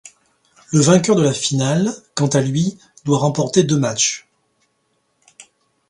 Le vainqueur de la finale, quant à lui, doit remporter deux matchs.